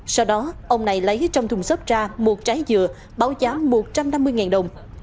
sau đó ông này lấy trong thùng xốp ra một trái dừa báo giá một trăm năm mươi đồng